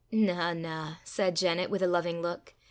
"Na, na," said Janet, with a loving look.